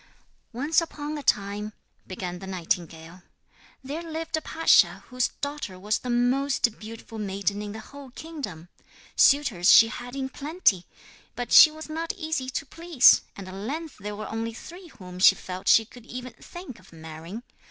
'Once upon a time,' began the nightingale, 'there lived a pasha whose daughter was the most beautiful maiden in the whole kingdom. Suitors she had in plenty, but she was not easy to please, and at length there were only three whom she felt she could even think of marrying.